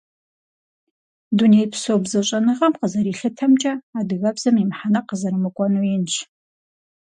Дунейпсо бзэщӀэныгъэм къызэрилъытэмкӀэ, адыгэбзэм и мыхьэнэр къызэрымыкӀуэу инщ.